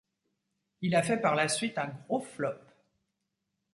Il a fait par la suite un gros flop.